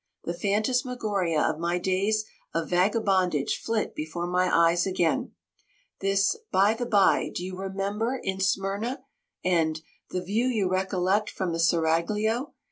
The phantasmagoria of my days of vagabondage flit before my eyes again. This, 'By the by, do you remember, in Smyrna?' and, 'The view you recollect from the Seraglio!